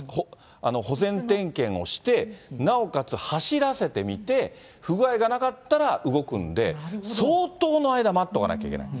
保全点検をして、なおかつ走らせてみて、不具合がなかったら動くんで、相当の間待っとかなきゃいけない。